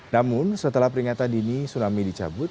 namun setelah peringatan dini tsunami dicabut